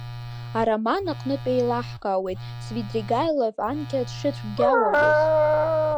Ароман аҟнытә еилаҳкаауеит Свидригаилов анкьа дшыцәгьауҩыз.